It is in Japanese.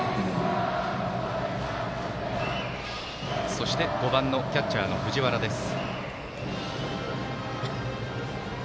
そして、バッターは５番のキャッチャー、藤原です。